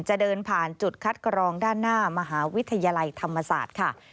จะเดินผ่านจุดคัดกรองด้านหน้ามหาวิทยาลัยธรรมศาสตร์ค่ะ